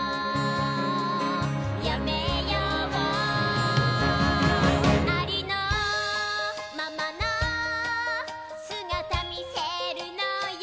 「やめよう」「ありのままの姿みせるのよ」